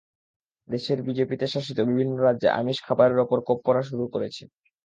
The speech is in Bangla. দেশের বিজেপি শাসিত বিভিন্ন রাজ্যে আমিষ খাবারের ওপর কোপ পড়া শুরু হয়েছে।